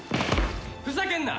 ふざけんな！